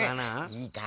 いいかい。